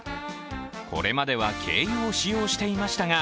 これまでは軽油を使用していましたが